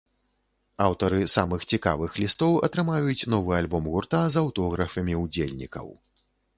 Аўтары самых цікавых лістоў атрымаюць новы альбом гурта з аўтографамі ўдзельнікаў.